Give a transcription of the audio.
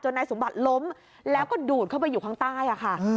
นายสมบัติล้มแล้วก็ดูดเข้าไปอยู่ข้างใต้ค่ะ